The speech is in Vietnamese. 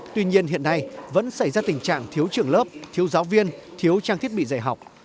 tuy nhiên hiện nay vẫn xảy ra tình trạng thiếu trường lớp thiếu giáo viên thiếu trang thiết bị dạy học